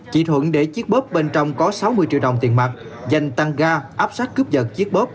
chị thuận để chiếc bóp bên trong có sáu mươi triệu đồng tiền mặt danh tăng ga áp sát cướp giật chiếc bóp